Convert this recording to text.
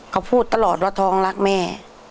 เขาพูดตลอดว่าท้องรักแม่